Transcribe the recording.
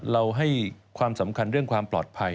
เราให้ความสำคัญเรื่องความปลอดภัย